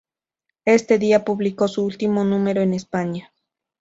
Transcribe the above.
Ese día publicó su último número en España.